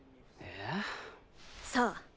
そう。